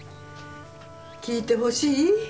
聞いてほしい？